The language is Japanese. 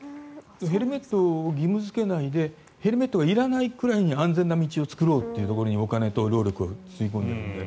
ヘルメットを義務付けないでヘルメットがいらないくらいに安全な道を作ろうっていうところにお金と労力をつぎ込まないと。